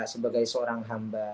sebagai seorang hamba